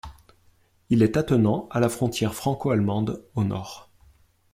Il est attenant à la frontière franco-allemande au nord.